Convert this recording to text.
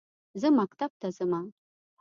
زه مکتب ته زمه